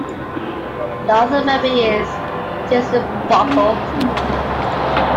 The other member is Jason Buckle.